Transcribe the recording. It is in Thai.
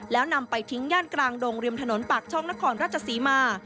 แล้วนำไปทิ้งย่านกลางดงริมถนนปากช่องนครราชศรีมา